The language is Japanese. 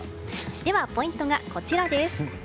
では、ポイントはこちらです。